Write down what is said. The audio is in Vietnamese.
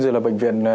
rồi là bệnh viện